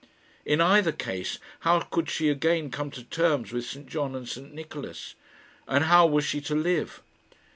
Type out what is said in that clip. In either case how could she again come to terms with St John and St Nicholas? And how was she to live?